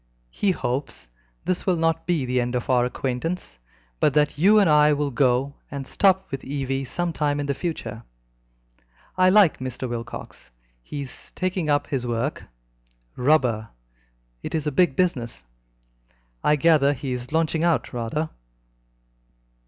He hopes that this will not be the end of our acquaintance, but that you and I will go and stop with Evie some time in the future. I like Mr. Wilcox. He is taking up his work rubber it is a big business. I gather he is launching out rather.